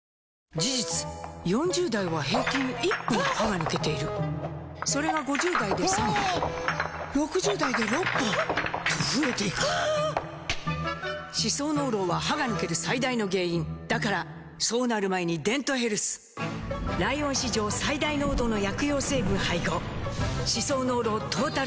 事実４０代は平均１本歯が抜けているそれが５０代で３本６０代で６本と増えていく歯槽膿漏は歯が抜ける最大の原因だからそうなる前に「デントヘルス」ライオン史上最大濃度の薬用成分配合歯槽膿漏トータルケア！